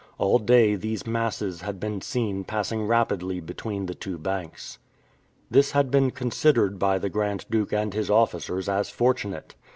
All day these masses had been seen passing rapidly between the two banks. This had been considered by the Grand Duke and his officers as fortunate.